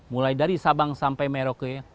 mulai dari sabang sampai merauke